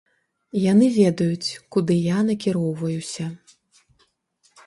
Яны ведаюць, куды я накіроўваюся!